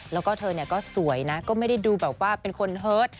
แล้วก็เธอก็สวยนะก็ไม่ได้ดูแบบว่าเป็นคนเฮิต